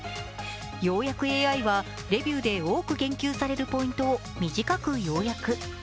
要約ＡＩはレビューで多く言及されるポイントを短くようやく。